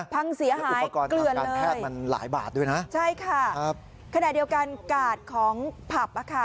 พังเสียหายเกลือนเลยใช่ค่ะขณะเดียวกันกาดของผับอะค่ะ